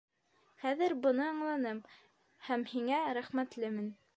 Хәҙер быны аңланым һәм һиңә рәхмәтлемен.